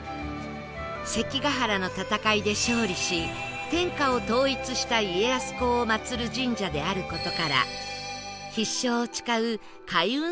関ヶ原の戦いで勝利し天下を統一した家康公を祭る神社である事から必勝を誓う開運